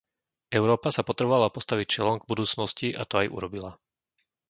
Európa sa potrebovala postaviť čelom k budúcnosti a to aj urobila.